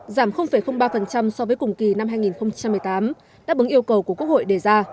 giảm ba so với cùng kỳ năm hai nghìn một mươi tám đáp ứng yêu cầu của quốc hội đề ra